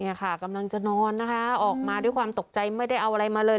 ค่ะกำลังจะนอนนะคะออกมาด้วยความตกใจไม่ได้เอาอะไรมาเลย